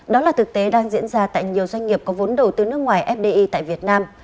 đó là thực tế đang diễn ra tại nhiều doanh nghiệp có vốn đầu tư nước ngoài fdi tại việt nam